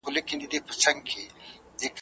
او مخلوق ته سي لګیا په بد ویلو `